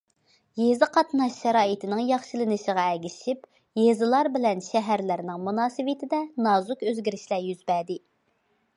يېزا قاتناش شارائىتىنىڭ ياخشىلىنىشىغا ئەگىشىپ، يېزىلار بىلەن شەھەرلەرنىڭ مۇناسىۋىتىدە نازۇك ئۆزگىرىشلەر يۈز بەردى.